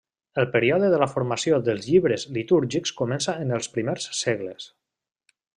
El període de la formació dels llibres litúrgics comença en els primers segles.